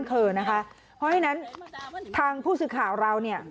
เพราะฉะนั้นทางผู้สื่อข่าวเราเนี่ย